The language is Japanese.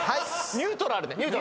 ニュートラル。